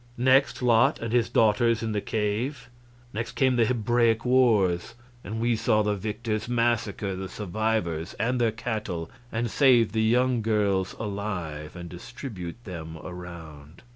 Next, Lot and his daughters in the cave. Next came the Hebraic wars, and we saw the victors massacre the survivors and their cattle, and save the young girls alive and distribute them around.